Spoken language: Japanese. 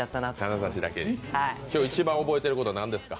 金指だけに、今日、一番覚えていることは何ですか？